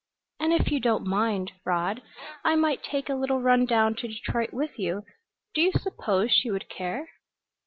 "And if you don't mind, Rod, I might take a little run down to Detroit with you. Do you suppose she would care?"